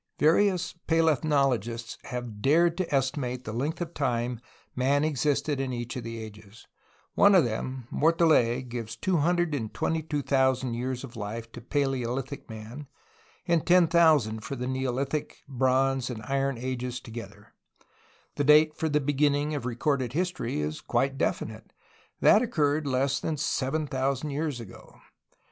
Various palethnologists have dared to estimate the length of time man existed in each of the ages. Thus one of them (Mortillet) gives 222,000 years of life to palaeolithic man, and 10,000 for the neolithic, bronze, and iron ages together. The date for the beginning of re corded history is quite definite. That occurred less than 7,000 years ago.